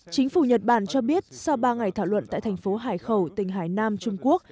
chính phủ nhật bản cho biết sau ba ngày thảo luận tại thành phố hải khẩu tỉnh hải nam trung quốc